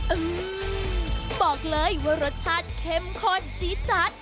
อืมบอกเลยว่ารสชาติเข้มข้นจี๊ดจัด